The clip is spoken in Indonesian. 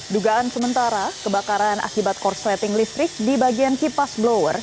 dugaan sementara kebakaran akibat korsleting listrik di bagian kipas blower